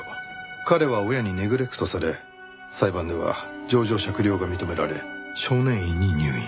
彼は親にネグレクトされ裁判では情状酌量が認められ少年院に入院。